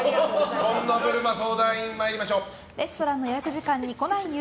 紺野ぶるま相談員参りましょう。